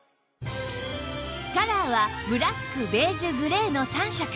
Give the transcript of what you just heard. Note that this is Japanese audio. カラーはブラックベージュグレーの３色